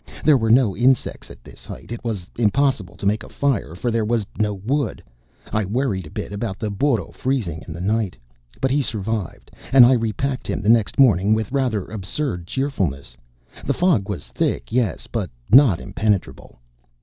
There were no insects at this height. It was impossible to make a fire for there was no wood. I worried a bit about the burro freezing in the night. But he survived, and I repacked him the next morning with rather absurd cheerfulness. The fog was thick, yes, but not impenetrable.